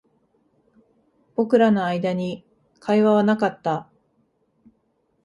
僕らの間に会話はなかった